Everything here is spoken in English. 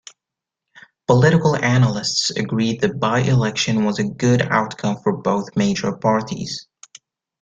Political analysts agreed the by-election was a "good outcome for both major parties".